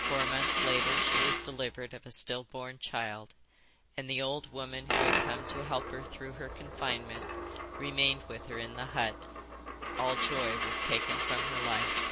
Four months later she was delivered of a still born child, and the old woman who had come to help her through her confinement remained with her in the hut. All joy was taken from her life.